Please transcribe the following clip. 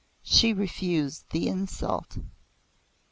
She refused the insult.